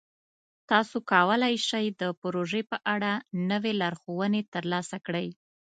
تاسو کولی شئ د پروژې په اړه نوې لارښوونې ترلاسه کړئ.